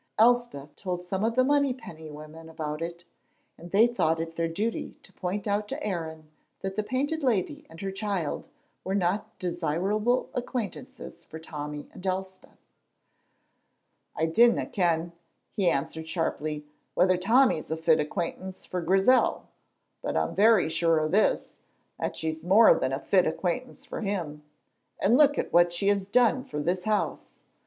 Elspeth told some of the Monypenny women about it, and they thought it their duty to point out to Aaron that the Painted Lady and her child were not desirable acquaintances for Tommy and Elspeth. "I dinna ken," he answered sharply, "whether Tommy's a fit acquaintance for Grizel, but I'm very sure o' this, that she's more than a fit acquaintance for him. And look at what she has done for this house.